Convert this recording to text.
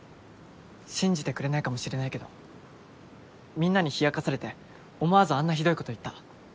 信じてくれないかもしれないけどみんなに冷やかされて思わずあんなひどいこと言った。